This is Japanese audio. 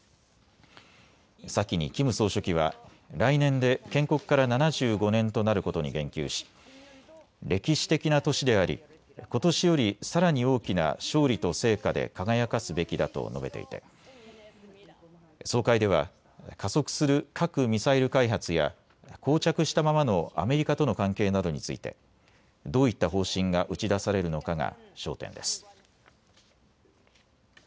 先にキム総書記は来年で建国から７５年となることに言及し歴史的な年であり、ことしよりさらに大きな勝利と成果で輝かすべきだと述べていて総会では加速する核・ミサイル開発やこう着したままのアメリカとの関係などについてどういった方針が打ち出されるのかが焦点です。